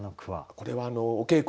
これはお稽古